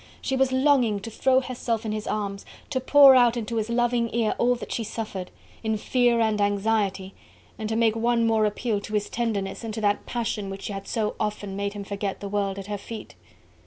She was longing to throw herself in his arms, to pour out into his loving ear all that she suffered, in fear and anxiety, and to make one more appeal to his tenderness and to that passion which had so often made him forget the world at her feet.